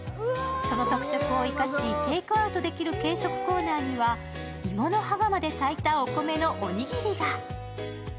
その特色を生かしテイクアウトできる軽食コーナーには鋳物羽釜で炊いたお米のおにぎりが。